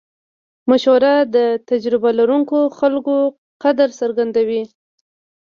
مشوره د تجربه لرونکو خلکو قدر څرګندوي.